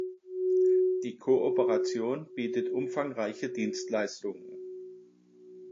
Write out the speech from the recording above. Die Kooperation bietet umfangreiche Dienstleistungen.